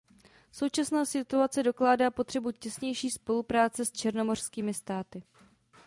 Současná situace dokládá potřebu těsnější spolupráce s černomořskými státy.